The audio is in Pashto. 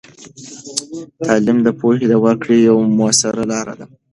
تعلیم د پوهې د ورکړې یوه مؤثره لاره ده.